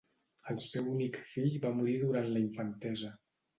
El seu únic fill va morir durant la infantesa.